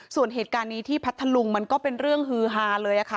ส่วนเหตุการณ์นี้ที่พัทธลุงมันก็เป็นเรื่องฮือฮาเลยค่ะ